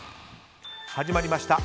始まりました